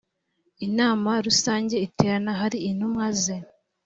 inama rusange iterana hari intumwa ze